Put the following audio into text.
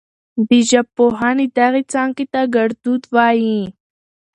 د ژبپوهنې دغې څانګې ته ګړدود وايي.